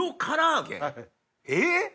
えっ！